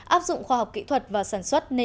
áp dụng khoa học kỹ thuật và sản xuất